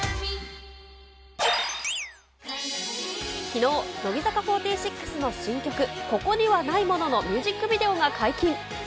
きのう、乃木坂４６の新曲、ここにはないもののミュージックビデオが解禁。